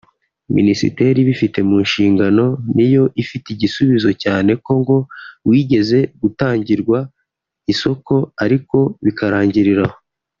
Minisiteri ibifite mu nshingano niyo ifite igisubizo cyane ko ngo wigeze gutangirwa isoko ariko bikarangirira aho